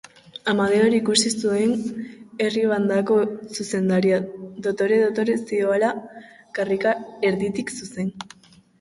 Amadeo ere ikusi zuen, herri-bandako zuzendaria, dotore-dotore zihoala karrika erditik zuzen.